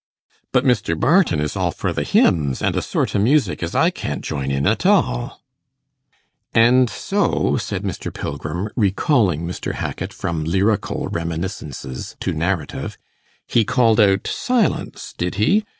But Mr. Barton is all for th' hymns, and a sort o' music as I can't join in at all.' 'And so,' said Mr. Pilgrim, recalling Mr. Hackit from lyrical reminiscences to narrative, 'he called out Silence! did he?